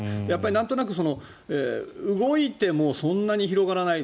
なんとなく、動いてもそんなに広がらない。